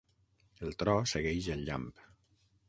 El tro segueix el llamp.